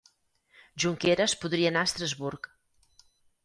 Junqueras podria anar a Estrasburg